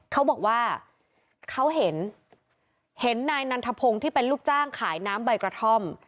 เขาบอกว่าเขาเห็นเห็นนายนันทพงศ์ที่เป็นลูกจ้างขายน้ำใบกระท่อม